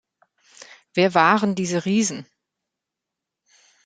Wer waren diese Riesen?